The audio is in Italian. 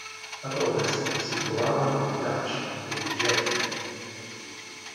Ad ovest si trovavano i Daci ed i Geti.